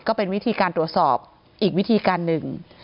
ก็เป็นวิธีการตรวจสอบอีกวิธีการหนึ่ง